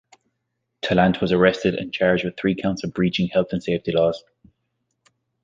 Tallant was arrested and charged with three counts of breaching health and safety laws.